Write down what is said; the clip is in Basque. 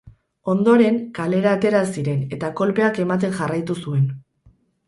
Ondoren, kalera atera ziren eta kolpeak ematen jarraitu zuen.